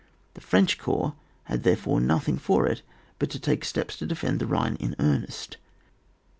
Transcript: The French corps had therefore nothing for it but to take steps to defend the Bhine in earnest.